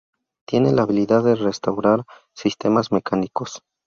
Tiene la habilidad de restaurar sistemas mecánicos.